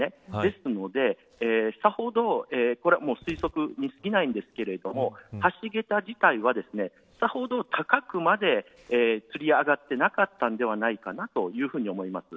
ですので、さほど推測にすぎないんですが橋げた自体は、さほど高くまでつり上がっていなかったのではないかなというふうに思います。